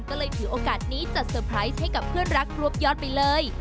ก็เลยถือโอกาสนี้จัดเตอร์ไพรส์ให้กับเพื่อนรักรวบยอดไปเลย